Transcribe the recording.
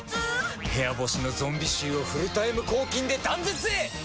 部屋干しのゾンビ臭をフルタイム抗菌で断絶へ！